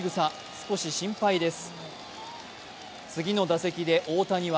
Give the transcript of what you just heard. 少し心配です。